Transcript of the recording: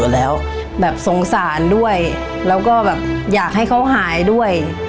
แล้วก็แบบอยากให้เขาหายด้วย